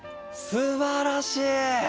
すばらしい！